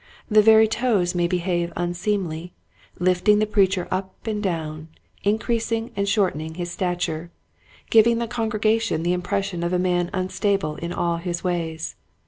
The very toes may behave unseemly, lifting the preacher up and down, increasing and shortening his stature, giving the congre gation the impression of a man unstable in all his ways.